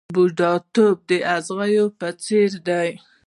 بوډاتوب د اغزیو په څېر دی .